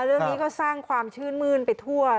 เรื่องนี้ก็สร้างความชื่นมื้นไปทั่ว